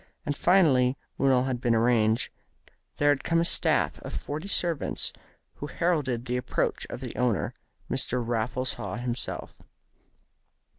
And finally, when all had been arranged, there had come a staff of forty servants, who heralded the approach of the owner, Mr. Raffles Haw himself.